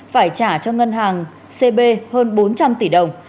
phải trả cho ngân hàng cb hơn bốn trăm linh tỷ đồng